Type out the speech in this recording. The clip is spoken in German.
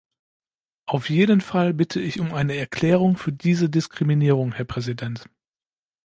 Auf jeden Fall bitte ich um eine Erklärung für diese Diskriminierung, Herr Präsident.